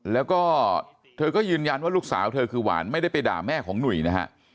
แล้วก็เธอก็ยืนยันว่าลูกสาวเธอคือหวานไม่ได้ไปด่าแม่ของหนุ่ยนะฮะ